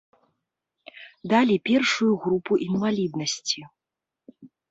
Далі першую групу інваліднасці.